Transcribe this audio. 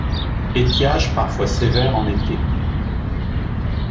Étiage parfois sévère en été.